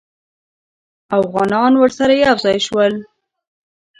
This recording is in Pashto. اوغانان ورسره یو ځای شول.